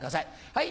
はい。